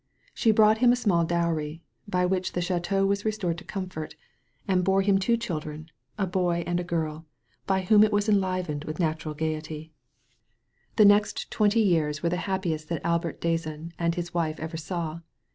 She brought him a small dowry by which the ch&teau was restored to comfort, and bore him 47 THE VALLEY OF VISION two children, a boy and a girl, by whom it was en livened with natural gayety. The next twenty years were the happiest that Albert d'Azan and his wife ever saw.